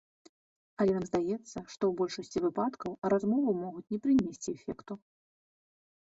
Але нам здаецца, што ў большасці выпадкаў размовы могуць не прынесці эфекту.